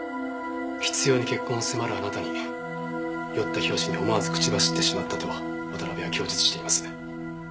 執拗に結婚を迫るあなたに酔った拍子で思わず口走ってしまったと渡辺は供述しています。